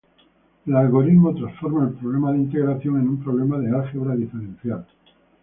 El algoritmo transforma el problema de integración en un problema de álgebra diferencial.